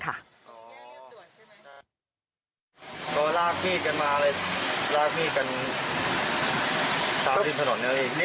ก็ลากมีดกันมาเลยลากมีดกันตามที่ถนนนี่เลย